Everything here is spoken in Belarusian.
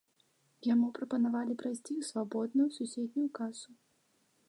Яму прапанавалі прайсці ў свабодную суседнюю касу.